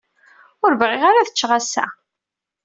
Ur bɣiɣ ara ad ččeɣ ass-a.